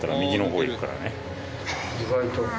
意外と。